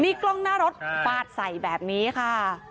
นี่กล้องหน้ารถฟาดใส่แบบนี้ค่ะ